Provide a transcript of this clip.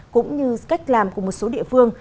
cũng như cách làm của một số địa phương